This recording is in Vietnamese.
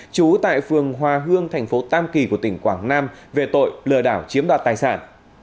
trú tại phường hòa hương thành phố tam kỳ của tỉnh quảng nam về tội lừa đảo chiếm đoạt tài sản